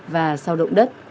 và sau động đất